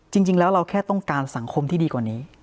จริงแล้วเราแค่ต้องการสังคมที่ดีกว่านี้